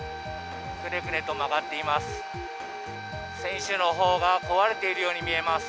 ぐねぐねと曲がっています。